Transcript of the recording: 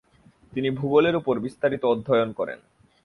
তিনি ভূগোলের উপর বিস্তারিত অধ্যায়ন করেন।